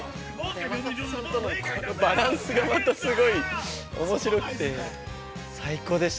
山里さんとの、バランスがまたすごいおもしろくて、最高でした。